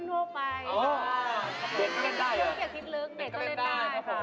อย่าคิดลึกเนธก็เล่นได้